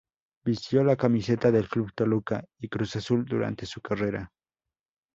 Vistió la camiseta del Club Toluca y Cruz Azul durante su carrera.